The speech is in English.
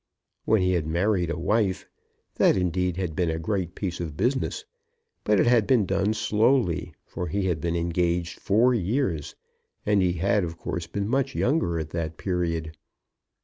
When he had married a wife, that indeed had been a great piece of business; but it had been done slowly, for he had been engaged four years, and he had of course been much younger at that period.